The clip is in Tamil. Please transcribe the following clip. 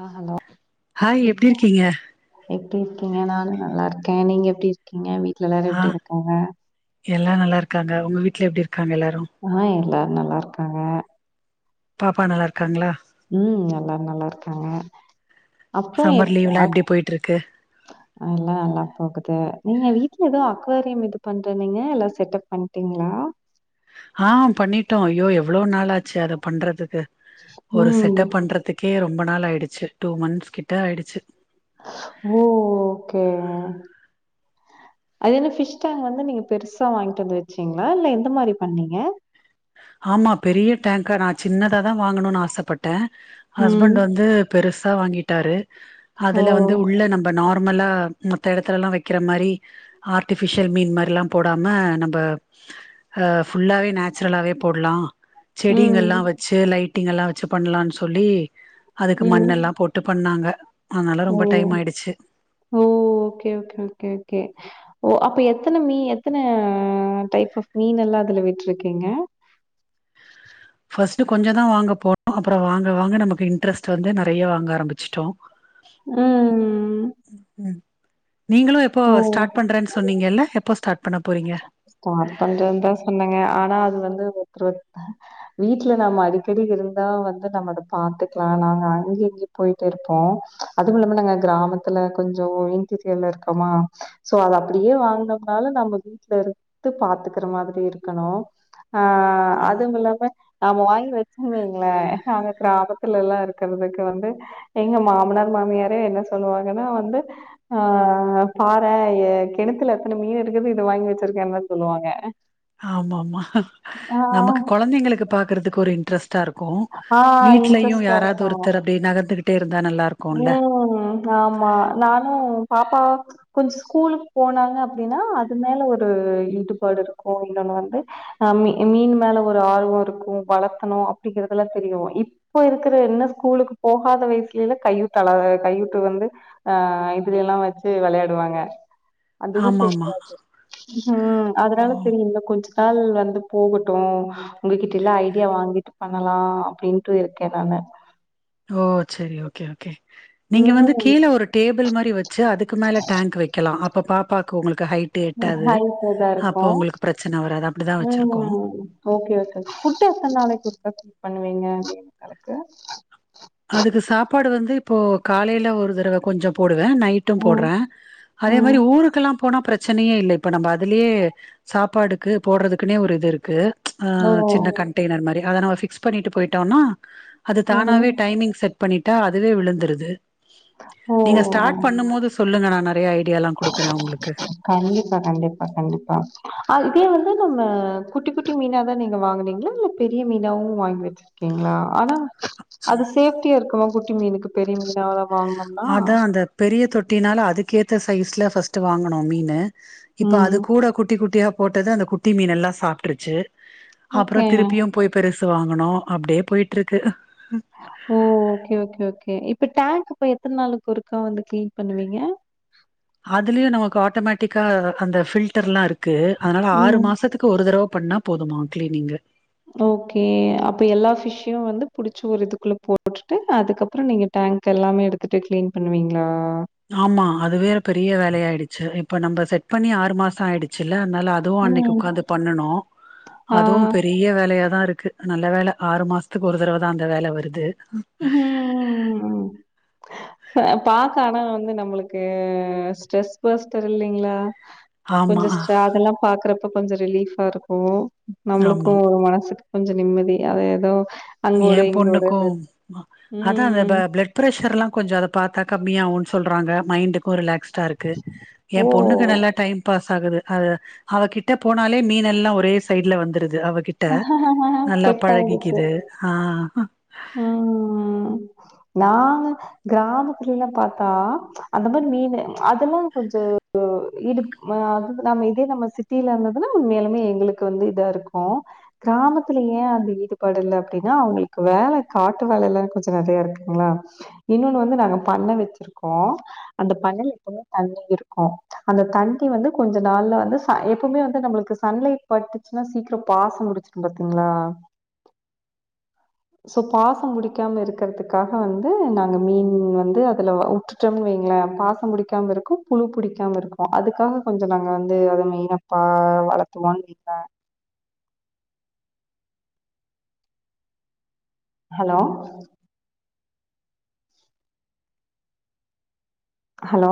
ஆஹ் ஹலோ ஹாய் எப்டி இருக்கீங்க எப்படி இருக்கீங்க நானும் நல்லா இருக்கேன் நீங்க எப்படி இருக்கீங்க வீட்டு எல்லாரும் எப்படி இருக்காங்க எல்லாம் நல்லா இருக்காங்க உங்க வீட்டுல எப்படி இருக்கு ஆஹ் இல்ல நல்லா இருக்காங்க பாப்பா நல்லா இருக்காங்களா உம் எல்லா நல்லா இருக்காங்க அப்புறம் சம்மர் லீவ்லா எப்டி போயிட்ருக்கு அதல்லாம் நல்லா போகு நீங்க வீட்டுல ஏதவும் அக்வாரியம் இது பண்றனீங்க எல்லாம் செட்டப் பண்ணிட்டீங்களா ஆஹ் பண்ணிட்டோம் ஐயோ எவ்வளவு நாளாச்சு அதை பண்றது ஒரு ம் செட்டப் பண்றதுக்கே ரொம்ப நாள் ஆயிடுச்சு டூ மந்த்ஸ் கிட்ட ஆயிடுச்சு ஓகே அது என்ன பிஷ் டங் வந்து நீங்க பெருசா வாங்கிட்டு வந்து வச்சீங்களா இல்ல எந்த மாதிரி பண்ணீங்க ஆமா பெரிய டேங்க்கா நான் சின்னதா தான் வாங்கணும்னு ஆசைப்பட்டேன் ம் ஹஸ்பண்ட் வந்து பெருசு இதோ வாங்கிட்டாரு ஓ அதுல வந்து உள்ள நம்ம நார் [unintelligible] போடலாம் செடிங்க ம் எல்லாம் வச்சு லைட் வட்டிங்க எல்லாம் வச்சு பண்ணலாம்னு சொல்லி அதுக்கு ம் மண்ணெல்லாம் போட்டு பண்ணாங்க அதனால ஓ ரொம்ப டைம் ஆயிடுச்சு ஓஓகேஓேஓே ஓகேஓ இப்ப எத்தனை மீன் எத்தனை டைப் ஆப் மீன் எல்லாம் அதுல விட்டுருக்கீங்க ஃபஸ்ட்டு கொஞ்சம் தான் வாங்க போனோம் அப்பறம் வாங்க நமக்கு இன்ட்ரஸ்ட் வந்து நிறைய வாங்க ஆரம்பிச்சிட்டோம் உஹும் நீங்களும் எப்போ ஸ்டார்ட் பண்றேன்னுன்னீங்க இல்ல எப்போ ஸ்டார்ட் பண்ண போறீங்க ஸ்டார்ட் பண்றதுன்ன தான் சொன்னங்க ஆனா அது வந்து வீட்டுல நம்ம அடிக்கடி இருந்தா வந்து நம்ம அத பாத்துக்கலாம் நாங்க அங்க இங்கய போயட்டே இருப்போம் அது மூலமா நாங்க கிராமத்துல கொஞ்சம் இன்டீரியர்ல இருக்கோமா சோ அத அப்படியே வாங்கினோம்னால நம் வீட்டுல இருந்து பாத்துக்கிற மாதிரி இருக்கணும் ஆஹ் அதுவும் இல்லாம நாம வாங்கி வச்சு வைங்களே அங்க கிராமத்துல எல்லாம் இருக்கிறதுக்கு வந்து எங்க மாமனார் மாமியாரே என்ன சொல்லுவாங்கன்னா வந்து ஆஹ் பாரேன் என் கிணத்துல எத்தனை மீன் இருக்குது வாங்கி வச்சிருக்கேன்னு சொல்லுவாங்க ஆமா ஆமா ஆ நமக்கு குழந்தைங்களுக்கு பாக்குறதுக்கு ஒரு இன்ட்ரெஸ்ட் க்கும் ஆ வீட்லயும் யாராவது ஒருத்தர் அப்படி நகர்ந்துகிட்டு உம் ஆமா நானும் பாப்பா கொஞ்சம் ஸ்கூலுக்கு போனாங்க அப்படின்னா அது மேல ஒரு ஈடுபாடு இருக்கும் இன்னொன்னு வந்து அஹ் மீன் மேல ஒரு ஆர்வம் இருக்கும் வளர்த்தணும் அப்படிங்கிறதுத எல்லாம் தெரியும் இப்போ இருக்கிற என்ன ஸ்கூலுக்கு போகாத வயசுலயலாம் கையூத்த அல கையூட்டு வந்து அஹ் இதுல எல்லாம் வச்சு விளையாடுவாங்க அதுது ஆமா ஆமா தெரியாது ஹம் ஓ அதனால தெரியும்ல கொஞ்சம் வந்து போகட்டும் உங்ககிட்ட எல்லாம் ஐடியா வாங்கிட்டு பண்ணலாம் அப்படின்ட்டு இருக்கேன் நான் ஓ சரி ஓகே ஓகே நீங்க வந்து ம் கீழே ஒரு டேபிள் [unintelligible] மாறி வச்ச வச்சுஅதுக்கு மேல டேங்க் வைக்கலாம் பாக்க உங்களுக் நைட்ல இருக்கும் உங்களுக்கு பிரச்சன வராது அப்டிதா வச்சிருக்கோ ம்ம் ஓகே ஓகே ஃபுட் எத்தன நாளைக்கு பண்ணுவீங்க அப்படி யங்களுக்கு அதுக்கு சாப்பாடு வந்து இப்போ காலையில ஒரு தடவை கொஞ்சம் போட் நைட்டும் ம் போடுறேன் அதே ம் மாதிரி ஊருக்கெல்லாம் ஊருக்குபோனா பிரச்சனையே இல்லை இப்ப நம்ம அதுலேயே சாப்பாடுக்கு போடுறதுக்குன்னே ஒரு இது இருக்கு ஓ ஆஹ சின்ன கண்டைனர் மாரி அதை நம்ம ஃபிக்ஸ் பண்ணிட்டு போயிட்டோம்னா அது ம் தானாவே டைமிங் செட் பண்ணிட்டா அதுவே விழுந்துருது ஓ நீங்க ஸ்டார்ட் பண்ணும் போது சொல்லுங்க நான் [unintelligible] கண்டிப்பா கண்டிப்பா கண்டிப்பா அத வந்து நம்ம குட்டி குட்டி மீனா தான் நீங்க வாங்குறீங்களா இல்ல பெரிய மீனாவும் வாங்கி வச்சிருக்கீங்களா ஆனா அது சேஃப்டியா இருக்குமா குட் சின்ன மீனுக்கு பெரிய மீன அவ்வளவா அதான் அந்த பெரிய தொட்டினால அதுக்கேற்ற சைஸில் பஸ்ட்டு வாங்கனும் மீன் இப்ப ம். அது கூட குட்டி குட்டி யா போட்டது அந்த குட்டி மீன்னெல்லாம் சாப்பிட்டுருச்சு ஓகே. அப்புறம் திருப்பியும் போய் பெருசு வாங்கனும் அப்படியே போயிட்டு இருக்கு ஓ ஓகே ஓகே ஓகே இப்ப டேங்க் இப்ப எத்தனை நாளுக்கு ஒருக்கா வந்து கிளீன் பண்ணுவீங்க அதுலயும் நமக்கு ஆட்டோமேட்டிக்கா அந்த பில்டர் எல்லாம் இருக்கு இருக்கு அதனால ஆறு ம். மாசத்துக்கு ஒரு தடவை பண்ணா போதுமா க்லீ நீங்கு ஓகே அப்ப எல்லா பிஷ்யும் வந்து புடிச்சு ஒரு இதுக்குள்ள போட்டுட்டு அதுக்கப்புறம் நீங்க டேங்க் எல்லாமே எடுத்துட்டு கிளீன் பண்ணுவீங்களா ஆமா அதுவேற பெரிய வேலையாயிடுச்சு இப்ப நம்ம செட் பண்ணி ஆறு மாசம் ஆயிடுச்சு அதுவும் அன்னைக்கு ம். உக்காந்து பண்ணுணோம் ஆ. அதுவும் பெரிய வேலையா தான் இருக்கு நல்ல வேலை ஆறு மாசத்துக்கு ஒரு தடவை தான் அந்த வேலை வருது [inaudible] ம்ஹ்ம். பாக்க ஆனா வந்து நம்மளுக்கு ஸ்ட்ரெஸ் பேஸ்டர்ல்லலைங்களா ஆமா, கொஞ்சம் அதெல்லாம் பாக்குற இப்ப கொஞ்சம் ரிலீபா இருக்கும் ஆமா. நம்மளுக்கும் ஒரு மனசுக்கு கொஞ்சம் நிம்மதி அத ஏதோ அங்கோட, ஏன் இங்கோட இது. பொண்ணுக்கும் அதான் அந்த ம். பிளட் ப்ரஷர் எல்லாம் கொஞ்சம் அத பார்த்தா கம்மியாகும்னு சொல்றாங்க மைண்டுக்கும் ரிலாக்ஸ் இருக்கு என் பொண்ணுக்கு ஓ! நல்லா டைம் பாஸ் ஆகுது அ அவகிட்ட போனாலே மீன எல்லாம் ஒரே சைட்ல வந்துருது அவகிட்ட நல்லா பழகிக்குது ஆஹ் உம் நாங்க கிராமத்துல எல்லாம் பார்த்தா அந்த மாதிரி மீன் அதெல்லாம் கொஞ்சம் அது நம்ம இதே நம்ம சிட்டியில இருந்ததுன்னா உண்மையலுமே எங்களுக்கு வந்து இதா இருக்கும் கிராமத்துல ஏன் அது ஈடுபாடு இல்லை அப்படின்னா அவங்களுக்கு வேலை காட்டு வாலை எல்லாரும் கொஞ்சம் நிறைய இருக்குங்களா இன்னொன்னு வந்து நாங்க பண்ணை வச்சிருக்கோம் அந்த பண்ணல எப்பவுமே தண்ணி இருக்கும் அந்த தண்ணி வந்து கொஞ்ச நாள்ல வந்து எப்பவுமே வந்து நம்மளுக்கு சன்லைட் பட்டுச்சுன்னா சீக்கிரம் பாசன புடிச்சிடு பாத்தீங்களா சோ பாசம் படிக்காம இருக்கிறதுக்காக வந்து நாங்க மீன் வந்து அதுல உட்டுட்டோம்னு வைங்களேன் பாசம் பிடிக்காம இருக்கும் புழு புிடிக்காம இருக்கும் அதுக்காக கொஞ்சம் நாங்க வந்து அத மீனை வளர்த்தவோம்னு வைங்கல ஹலோ ஹலோ